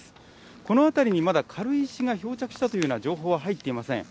この辺りにまだ軽石が漂着したというふうな情報は入っていません。